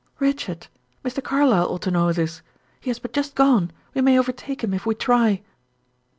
"Richard! Mr. Carlyle ought to know this. He has but just gone; we may overtake him, if we try."